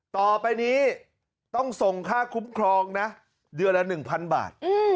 ต่อไปนี้ต้องส่งค่าคุ้มครองนะเดือนละ๑๐๐บาท